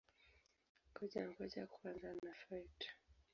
Ngoja-ngoja kwanza na-fight!